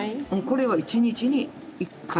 これは１日に１回。